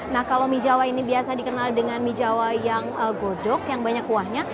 nah kalau mie jawa ini biasa dikenal dengan mie jawa yang godok yang banyak kuahnya